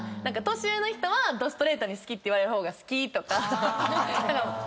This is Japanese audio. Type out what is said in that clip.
年上の人はどストレートに好きって言われる方が好きとかあるんですよ。